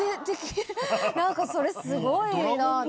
何かそれすごいなって。